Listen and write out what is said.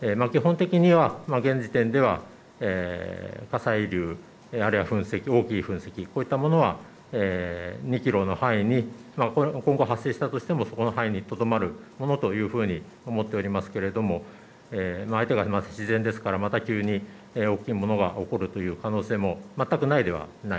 基本的には、現時点では火砕流、あるいは大きい噴石こういったものは２キロの範囲に今後発生したとしてもその範囲にとどまるものというふうに思っておりますけれども相手が自然ですから、また急に大きいものが起こる可能性も全くないではない。